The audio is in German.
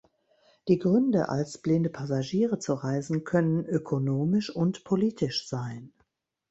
Die Gründe, als blinde Passagiere zu reisen, können ökonomisch und politisch sein.